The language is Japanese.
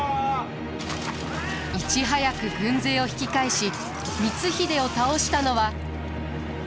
いち早く軍勢を引き返し光秀を倒したのは。